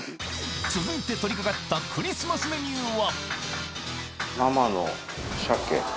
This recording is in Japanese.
続いて取り掛かったクリスマスメニューは？